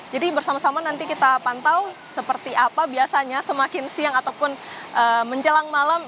jadi bersama sama nanti kita pantau seperti apa biasanya semakin siang ataupun menjelang malam